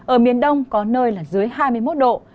ở miền đông có nơi là dưới hai mươi một độ